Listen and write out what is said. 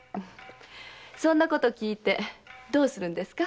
そんなことを訊いてどうするんですか？